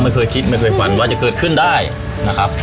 ไม่เคยคิดไม่เคยฝันว่าจะเกิดขึ้นได้นะครับ